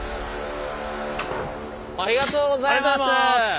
ありがとうございます。